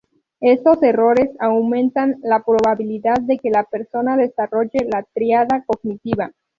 Estos errores aumentan la probabilidad de que la persona desarrolle la tríada cognitiva.